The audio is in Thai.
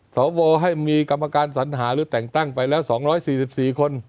สวให้มีกรรมการสัญหาหรือแต่งตั้งไปแล้ว๒๔๔คน